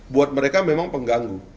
buat mereka memang pengganggu